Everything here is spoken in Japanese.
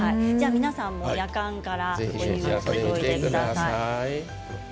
皆さんもやかんからお湯を注いでください。